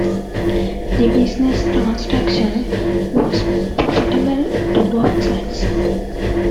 The 'business transaction' was profitable to both sides.